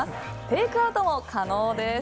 テイクアウトも可能です。